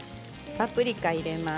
パプリカを入れます。